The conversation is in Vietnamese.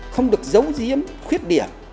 không được giấu giếm khuyết điểm